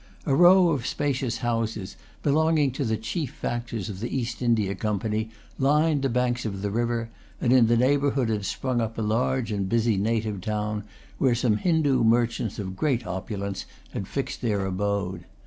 A row of spacious houses, belonging to the chief factors of the East India Company, lined the banks of the river; and in the neighbourhood had sprung up a large and busy native town, where some Hindoo merchants of great opulence had fixed their abode.